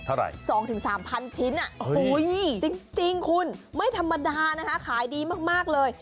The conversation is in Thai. เท่าไหร่๒๓พันชิ้นอ่ะจริงคุณไม่ธรรมดานะคะขายดีมากเลย